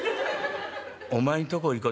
お前んとこ行こ」。